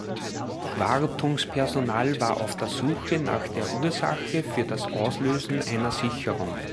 Wartungspersonal war auf der Suche nach der Ursache für das Auslösen einer Sicherung.